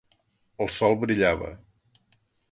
El sol brillava